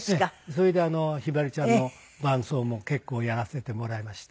それでひばりちゃんの伴奏も結構やらせてもらいました。